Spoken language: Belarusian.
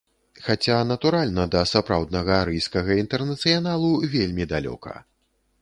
Хаця, натуральна, да сапраўднага арыйскага інтэрнацыяналу вельмі далёка.